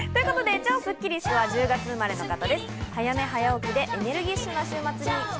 超スッキりすは１０月生まれの方です。